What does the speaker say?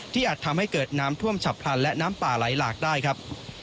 อาจทำให้เกิดน้ำท่วมฉับพลันและน้ำป่าไหลหลากได้ครับ